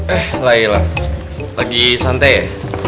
eh laila lagi santai ya